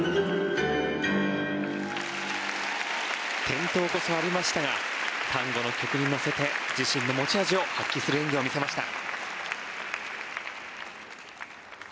転倒こそありましたがタンゴの曲に乗せて自身の持ち味を発揮する演技を見せました。